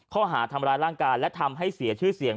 ข้อหาทำร้ายร่างกายและทำให้เสียชื่อเสียง